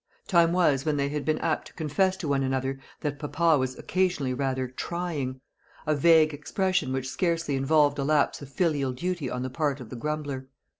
Time was when they had been apt to confess to one another that papa was occasionally rather "trying," a vague expression which scarcely involved a lapse of filial duty on the part of the grumbler.